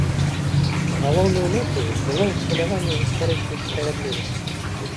Галоўнаю мэтаю было ўсталяванне гістарычнай справядлівасці.